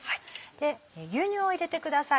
で牛乳を入れてください。